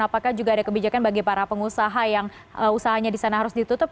apakah juga ada kebijakan bagi para pengusaha yang usahanya di sana harus ditutup